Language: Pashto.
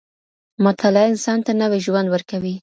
مطالعه انسان ته نوی ژوند ورکوي.